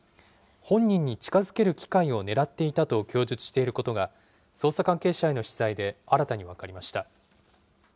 本人に近づける機会を狙っていたと供述していることが、捜査関係者への取材で新たに分かりました。